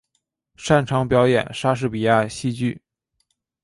擅长表演莎士比亚戏剧。